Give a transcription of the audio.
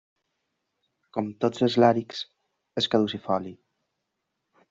Com tots els làrixs és caducifoli.